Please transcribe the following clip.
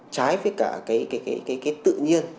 trái với cả cái tự nhiên